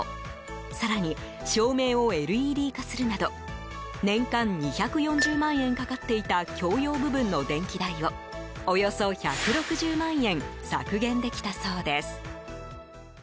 更に、照明をＬＥＤ化するなど年間２４０万円かかっていた共用部分の電気代をおよそ１６０万円削減できたそうです。